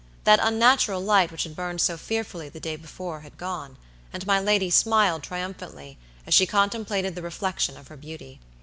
That unnatural light which had burned so fearfully the day before had gone, and my lady smiled triumphantly as she contemplated the reflection of her beauty.